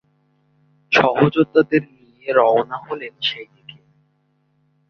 সহযোদ্ধাদের নিয়ে রওনা হলেন সেদিকে।